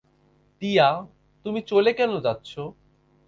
টিয়া, তুমি চলে কেন যাচ্ছ।